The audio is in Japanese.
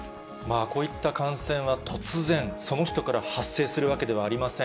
こういった感染は突然、その人から発生するわけではありません。